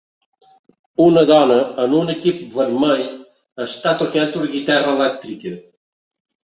Una dona en un equip vermell està tocant una guitarra elèctrica